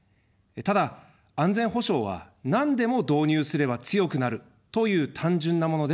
ただ、安全保障は、なんでも導入すれば強くなるという単純なものではありません。